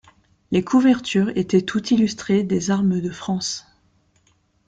Les couvertures étaient toutes illustrées des armes de France.